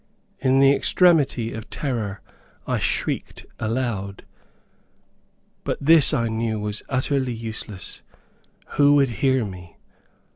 In the extremity of terror I shrieked aloud. But this I knew was utterly useless. Who would hear me?